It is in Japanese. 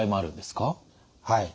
はい。